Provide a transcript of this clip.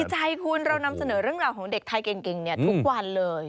ใจคุณเรานำเสนอเรื่องราวของเด็กไทยเก่งทุกวันเลย